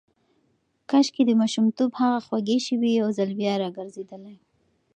کاشکې د ماشومتوب هغه خوږې شېبې یو ځل بیا راګرځېدلای.